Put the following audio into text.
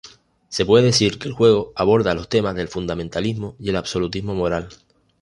Se puede decir que el juego aborda los temas del fundamentalismo y absolutismo moral.